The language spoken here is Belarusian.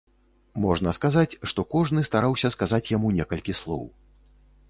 Можна сказаць, што кожны стараўся сказаць яму некалькі слоў.